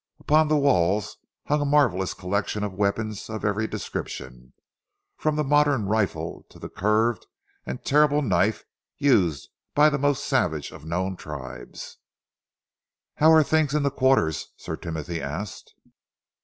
Upon the walls hung a marvellous collection of weapons of every description, from the modern rifle to the curved and terrible knife used by the most savage of known tribes. "How are things in the quarters?" Sir Timothy asked.